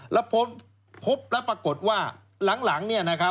แล้วพบแล้วปรากฏว่าหลัง